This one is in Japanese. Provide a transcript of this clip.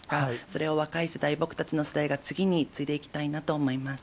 それを若い世代、僕たちの世代が次に継いでいきたいなと思います。